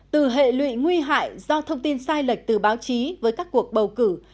từ hệ lụy nguy hại do thông tin sai lệch từ báo chí với các cuộc bầu cử